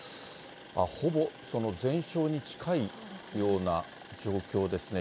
ほぼ全焼に近いような状況ですね。